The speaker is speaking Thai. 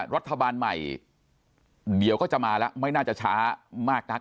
รัฐบาลใหม่เดี๋ยวก็จะมาแล้วไม่น่าจะช้ามากนัก